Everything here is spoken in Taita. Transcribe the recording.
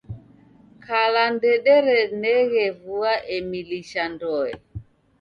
Kala ndedereneghe vua emilisha ndoe.